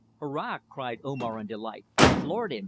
"Hurrah!" cried Omar in delight. "Floored him!